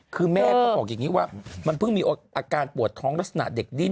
คือแม่เขาบอกอย่างนี้ว่ามันเพิ่งมีอาการปวดท้องลักษณะเด็กดิ้น